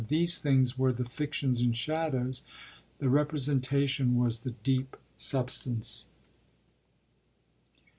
These things were the fictions and shadows; the representation was the deep substance.